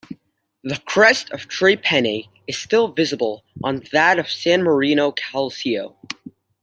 The crest of Tre Penne is still visible on that of San Marino Calcio.